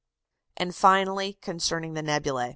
] And, finally, concerning the nebulæ.